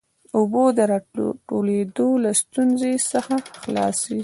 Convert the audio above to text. اوبو د راټولېدو له ستونزې څخه خلاص سي.